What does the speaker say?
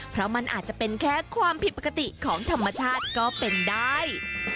เพราะมันอาจจะเป็นแค่ความผิดปกติของธรรมชาติก็เป็นได้